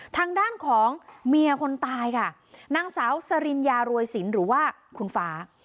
ทางด้านของเมียคนตายค่ะนางสาวสริญญารวยสินหรือว่าคุณฟ้า